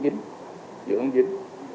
giữa tháng chín